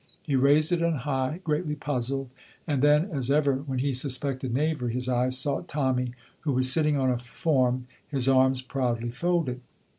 He raised it on high, greatly puzzled, and then, as ever when he suspected knavery, his eyes sought Tommy, who was sitting on a form, his arms proudly folded.